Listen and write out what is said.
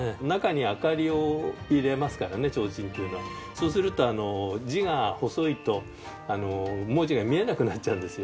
そうすると字が細いと文字が見えなくなっちゃうんですよね。